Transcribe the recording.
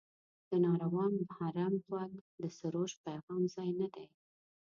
د ناروا محرم غوږ د سروش پیغام ځای نه دی.